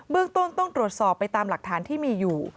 เรื่องต้นต้องตรวจสอบไปตามหลักฐานที่มีอยู่